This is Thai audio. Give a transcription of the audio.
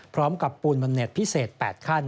พร้อมกับปูนดนเน็ตพิเศษ๘ขั้น